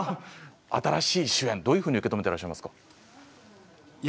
新しい主演どういうふうに受け止めてらっしゃいますか？